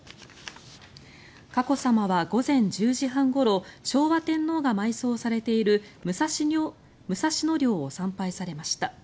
佳子さまは午前１０半ごろ昭和天皇が埋葬されている武蔵野陵を参拝されました。